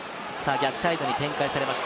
逆サイドに展開されました。